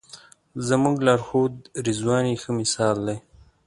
زموږ لارښود رضوان یې ښه مثال دی.